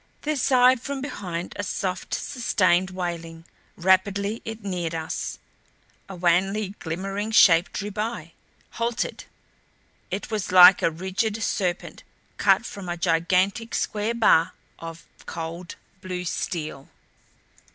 There sighed from behind a soft, sustained wailing; rapidly it neared us. A wanly glimmering shape drew by; halted. It was like a rigid serpent cut from a gigantic square bar of cold blue steel.